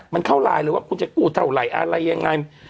มันเข้าไลน์เลยว่าคุณจะกู้เท่าไหร่อะไรยังไง